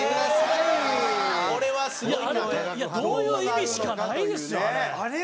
いや「どういう意味？」しかないですよあれ。